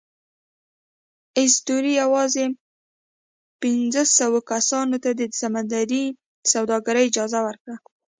اسطورې یواځې پینځوسوو کسانو ته د سمندري سوداګرۍ اجازه ورکوله.